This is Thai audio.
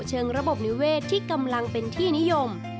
เชิงระบบนิเวศที่กำลังเป็นที่นิยม